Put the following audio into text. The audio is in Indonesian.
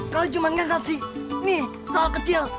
kalo cuma gak ngasih nih soal kecil